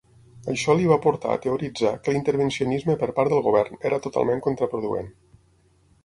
Això li va portar a teoritzar que l'intervencionisme per part del govern era totalment contraproduent.